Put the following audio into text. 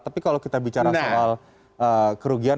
tapi kalau kita bicara soal kerugian